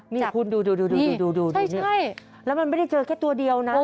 นี่คุณดูดูแล้วมันไม่ได้เจอแค่ตัวเดียวนะ